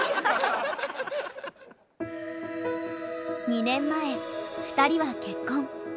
今２年前２人は結婚。